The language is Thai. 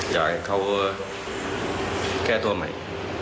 อยากให้เขาแก้ตัวใหม่